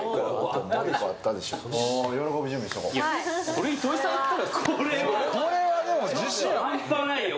これ糸井さんいったらこれは半端ないよ